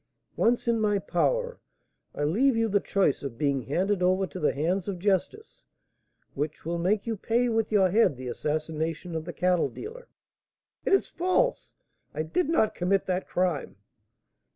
Once in my power, I leave you the choice of being handed over to the hands of justice, which will make you pay with your head the assassination of the cattle dealer " "It is false! I did not commit that crime."